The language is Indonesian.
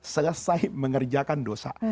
selesai mengerjakan dosa